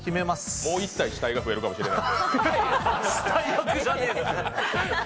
もう１体死体が増えるかもしれません。